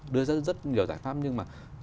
đưa ra rất nhiều giải pháp nhưng mà